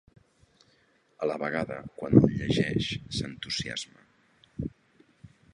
A la vegada quan el llegeix s'entusiasma.